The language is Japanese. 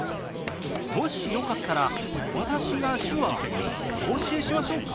もしよかったら私が手話お教えしましょうか？